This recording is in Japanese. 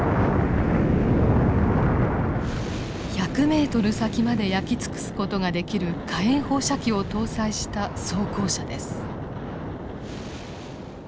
１００メートル先まで焼き尽くす事ができる火炎放射器を搭載した装甲車です。